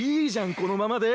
このままで。